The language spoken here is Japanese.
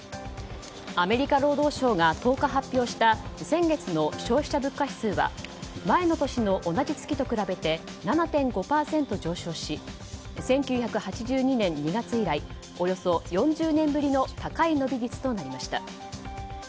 アメリカ労働省が１０日発表した先月の消費者物価指数は前の年の同じ月と比べて７．５％上昇し１９８２年２月以来およそ４０年ぶりの高い伸び率となりました。